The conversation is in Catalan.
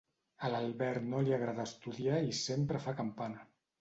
A l'Albert no li agrada estudiar i sempre fa campana: